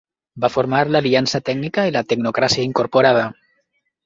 Va formar l'Aliança Tècnica i la Tecnocràcia Incorporada.